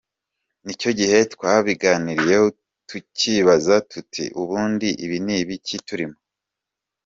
Ni cyo gihe twabiganiragaho tukibaza tuti ’Ubundi ibi ni ibiki turimo?’".